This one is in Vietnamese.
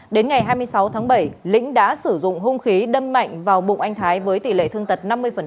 đến ngày hai mươi sáu tháng bảy lĩnh đã sử dụng hung khí đâm mạnh vào bụng anh thái với tỷ lệ thương tật năm mươi